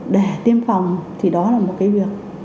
để tiêm phòng thì đó là một cái việc